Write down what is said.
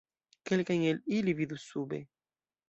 Kelkajn el ili vidu sube.